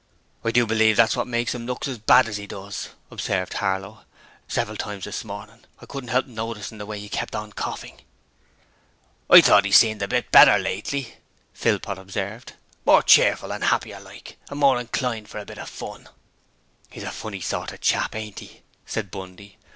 'I do believe that's wot makes 'im look so bad as 'e does,' observed Harlow. 'Several times this morning I couldn't help noticing the way 'e kept on coughing.' 'I thought 'e seemed to be a bit better lately,' Philpot observed; 'more cheerful and happier like, and more inclined for a bit of fun.' 'He's a funny sort of chap, ain't he?' said Bundy.